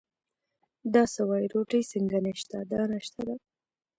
دا څه وایې، روټۍ څنګه نشته، دا ناشتا ده.